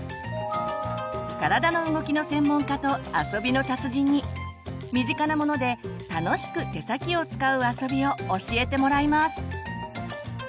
体の動きの専門家と遊びの達人に身近なもので楽しく手先を使う遊びを教えてもらいます！